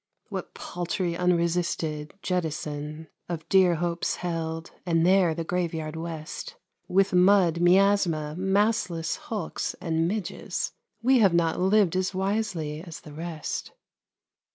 What paltry, unresisted jettison Of dear hopes held, and there the graveyard West, With mud, miasma, mastless hulks, and midges! We have not lived as wisely as the rest.